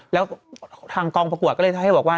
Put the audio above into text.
แล้วทางกองประกวดก็เลยให้บอกว่า